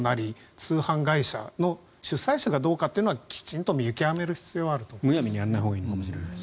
通販会社の主催者かどうかというのはきちんと見極める必要があると思います。